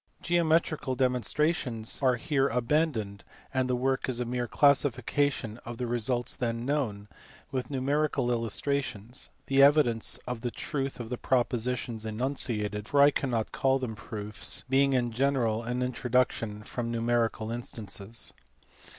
Geometrical demonstrations are here abandoned, and the work is a mere classification of the results then known, with numerical illustrations : the evidence for the truth of the propositions enunciated, for I cannot call them proofs, being in general an induction from numerical instances.